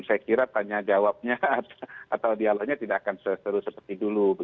saya kira tanya jawabnya atau dialognya tidak akan seseru seperti dulu